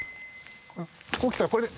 こうきたらこれで。